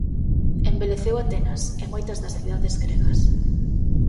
Embeleceu Atenas e moitas das cidades gregas.